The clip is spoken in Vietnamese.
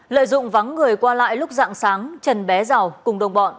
lợi dụng vắng người qua lại lúc dạng sáng trần bé giàu cùng đồng bọn